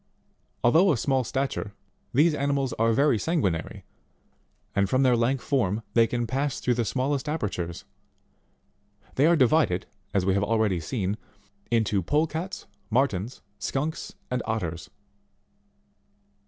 Although of small stature, these animals are very sanguinary ; and from their lank form, they can pass through the smallest apertures ; they are divided, as we have already seen, into Polecats, Mullens, Skunks, and Otters.